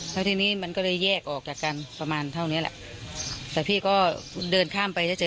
แล้วทีนี้มันก็เลยแยกออกจากกันประมาณเท่านี้แหละแต่พี่ก็เดินข้ามไปแล้วเจอ